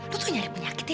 lu tuh nyari penyakit ya